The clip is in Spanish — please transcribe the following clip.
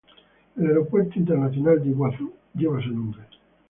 El Aeropuerto internacional del Iguazú lleva su nombre.